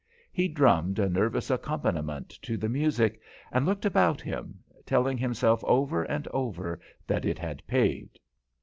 He drummed a nervous accompaniment to the music and looked about him, telling himself over and over that it had paid.